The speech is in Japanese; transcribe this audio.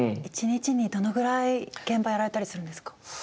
一日にどのぐらい現場やられたりするんですか？